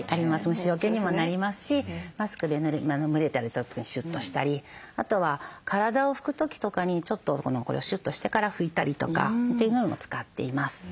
虫よけにもなりますしマスクで蒸れた時シュッとしたりあとは体を拭く時とかにちょっとこれをシュッとしてから拭いたりとかっていうのにも使っています。